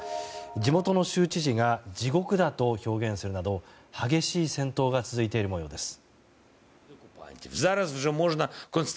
地元の州知事が地獄だと表現するなど激しい戦闘が続いている模様です。